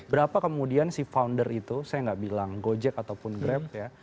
berapa kemudian si founder itu saya nggak bilang gojek ataupun grab ya